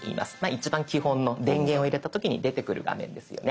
一番基本の電源を入れた時に出てくる画面ですよね。